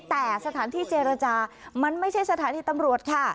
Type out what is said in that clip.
แต่สถานที่เจรจามันไม่ใช่สถานีตำรวจค่ะ